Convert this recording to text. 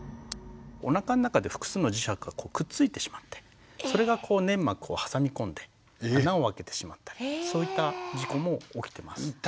おなかの中で複数の磁石がこうくっついてしまってそれが粘膜を挟み込んで穴をあけてしまったりそういった事故も起きてます。